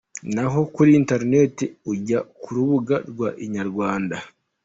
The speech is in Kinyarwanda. Naho kuri interinete ujya kurubuga rwa Inyarwanda.